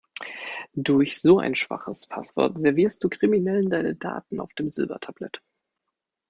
Durch so ein schwaches Passwort servierst du Kriminellen deine Daten auf dem Silbertablett.